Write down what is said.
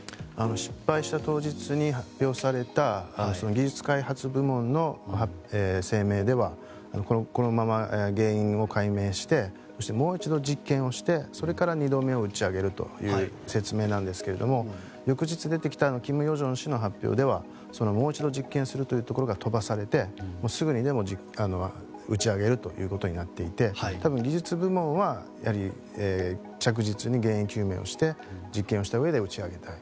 失敗した当日に発表された技術開発部門の声明ではこのまま原因を解明してもう一度実験をして、それから２度目を打ち上げるという説明なんですが翌日出てきた金与正氏の発表ではもう一度、実験するというところが飛ばされてすぐにでも打ち上げるということになっていて多分、技術部門はやはり着実に原因究明をして実験をしたうえで打ち上げたい。